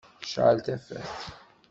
Cεel tafat.